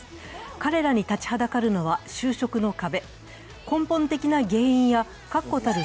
彼らに立ちはだかるのは就職の壁。